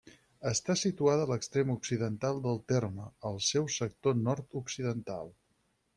Està situada a l'extrem occidental del terme, al seu sector nord-occidental.